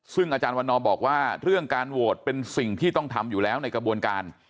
ซึ่งอาจารย์วันนอบอกว่าเรื่องการโหวตเป็นสิ่งที่ต้องทำอยู่แล้วในกระบวนการ